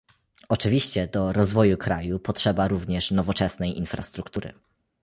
Oczywiście do rozwoju kraju potrzeba również nowoczesnej infrastruktury